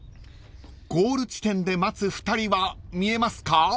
［ゴール地点で待つ２人は見えますか？］